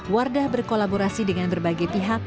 wardah berkolaborasi dengan berbagai pihak